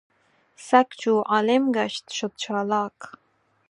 سګ چو عالم ګشت شد چالاک.